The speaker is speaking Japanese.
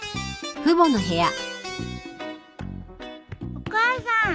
お母さん。